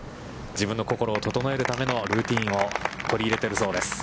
自分の心を整えるためのルーティーンを取り入れてるそうです。